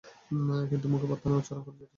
কিন্তু মুখে প্রার্থনা উচ্চারণ করা যথেষ্ট নয়।